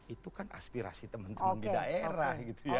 itu kan aspirasi teman teman di daerah gitu ya